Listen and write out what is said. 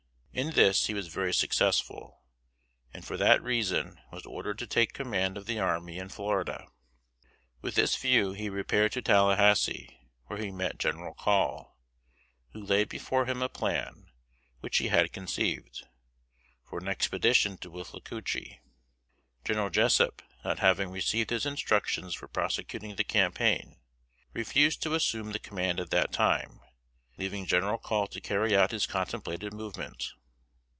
In this he was very successful, and for that reason was ordered to take command of the army in Florida. With this view he repaired to Tallahasse, where he met General Call, who laid before him a plan, which he had conceived, for an expedition to Withlacoochee. General Jessup, not having received his instructions for prosecuting the campaign, refused to assume the command at that time, leaving General Call to carry out his contemplated movement.